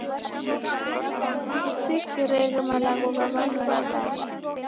Kusikireghe malagho gha w'andu w'abaa